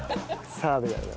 澤部だな。